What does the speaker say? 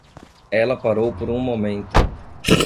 Ela parou por um momento.